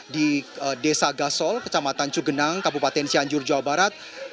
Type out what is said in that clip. di desa gasol kecamatan cugenang kabupaten cianjur jawa barat